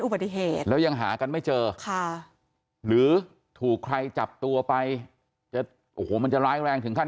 อุบัติเหตุแล้วยังหากันไม่เจอค่ะหรือถูกใครจับตัวไปจะโอ้โหมันจะร้ายแรงถึงขั้น